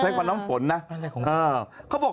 ใช้กว่าน้ำฝนนะ